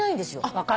分かる。